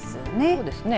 そうですね。